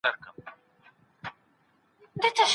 د مېوو باغ ته تلل ذهن تازه کوي.